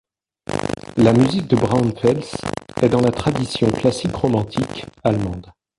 La musique de Braunfels est dans la tradition classique-romantique allemande.